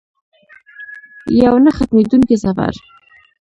یو نه ختمیدونکی سفر.